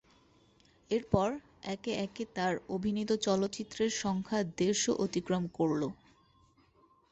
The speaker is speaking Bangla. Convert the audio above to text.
এরপর, একে একে তার অভিনীত চলচ্চিত্রের সংখ্যা দেড়শ অতিক্রম করেন।